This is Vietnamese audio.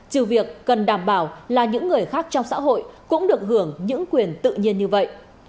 trừ việc cần đảm bảo là những người khác trong xã hội cũng được hưởng những quyền tự nhiên như vậy